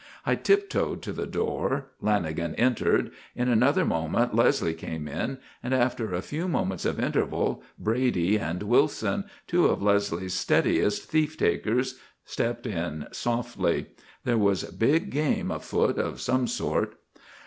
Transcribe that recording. I tiptoed to the door. Lanagan entered. In another moment Leslie came in and after a few moments of interval, Brady and Wilson, two of Leslie's steadiest thief takers, stepped in softly. There was big game afoot of some sort!